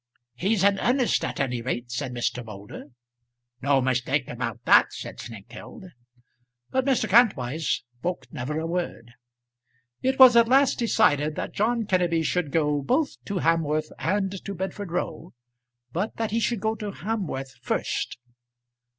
"He's in earnest at any rate," said Mr. Moulder. "No mistake about that," said Snengkeld. But Mr. Kantwise spoke never a word. It was at last decided that John Kenneby should go both to Hamworth and to Bedford Row, but that he should go to Hamworth first.